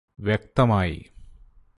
വ്യക്തമായി